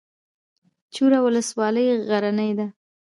چوره ولسوالۍ غرنۍ ده؟